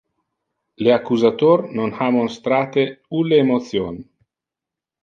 le accusator non ha monstrate ulle emotion.